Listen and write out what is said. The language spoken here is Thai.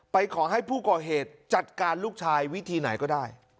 ขอให้ผู้ก่อเหตุจัดการลูกชายวิธีไหนก็ได้